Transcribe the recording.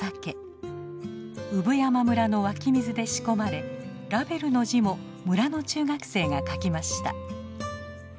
産山村の湧き水で仕込まれラベルの字も村の中学生が書きました。